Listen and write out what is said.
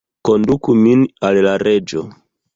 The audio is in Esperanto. Konduku min al la Reĝo!